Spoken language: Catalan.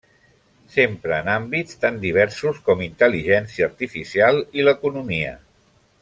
S'empra en àmbits tan diversos com Intel·ligència artificial i l'economia.